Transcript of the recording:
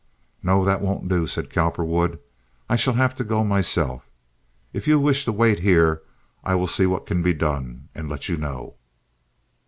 "No, that won't do," said Cowperwood. "I shall have to go myself. If you wish to wait here I will see what can be done, and let you know."